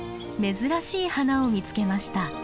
珍しい花を見つけました。